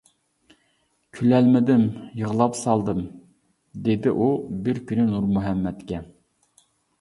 «كۈلەلمىدىم، يىغلاپ سالدىم» دېدى ئۇ بىر كۈنى نۇرمۇھەممەتكە.